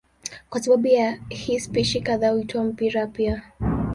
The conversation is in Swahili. Kwa sababu ya hii spishi kadhaa huitwa mpira pia.